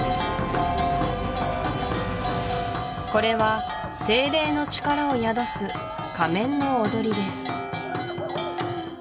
これは精霊の力を宿す仮面の踊りです